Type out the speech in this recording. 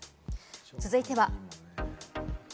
続いては。